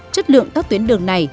chất lượng các tuyến đường này